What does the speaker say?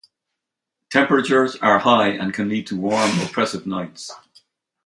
Temperatures are high and can lead to warm, oppressive nights.